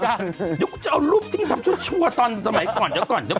เดี๋ยวกูจะเอารูปกิ้งทำชุดชั่วตอนสมัยก่อน